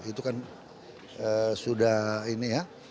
itu kan sudah ini ya